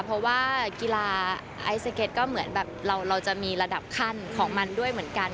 เพราะว่ากีฬาไอสเก็ตก็เหมือนแบบเราจะมีระดับขั้นของมันด้วยเหมือนกัน